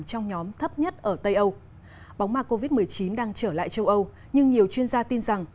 trong nhóm thấp nhất ở tây âu bóng ma covid một mươi chín đang trở lại châu âu nhưng nhiều chuyên gia tin rằng